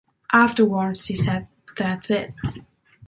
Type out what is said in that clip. Afterwards he said, that's it.